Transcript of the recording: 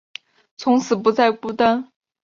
从此不再孤单